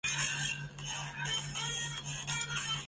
死后由齐丹塔二世继承。